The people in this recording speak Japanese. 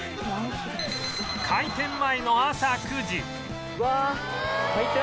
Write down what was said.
開店前の朝９時